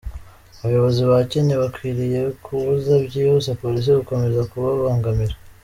Abayobozi ba Kenya bakwiriye kubuza byihuse Polisi gukomeza kubabangamira.